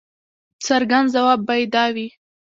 څرګند ځواب به یې دا وي.